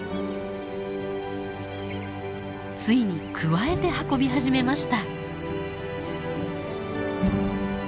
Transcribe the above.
ついにくわえて運び始めました。